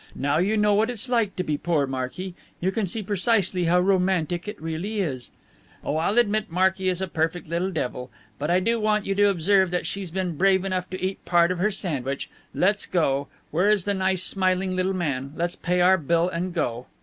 Now you know what it's like to be poor, Marky. You can see precisely how romantic it really is." "Oh, I'll admit Marky is a perfect little devil. But I do want you to observe that she's been brave enough to eat part of her sandwich. Let's go. Where is the nice smiling little man? Let's pay our bill and go."